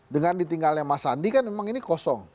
dengan ditinggalnya mas sandi kan memang ini kosong